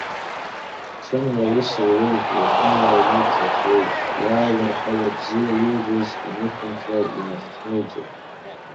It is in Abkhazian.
Ҽынла аус луеит, уахынла аҩны дӡахуеит, иаалырҳауа бзиа илбоз инышәынҭра инахҭнылҵоит.